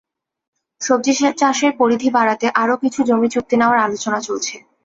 সবজি চাষের পরিধি বাড়াতে আরও কিছু জমি চুক্তি নেওয়ার আলোচনা চলছে।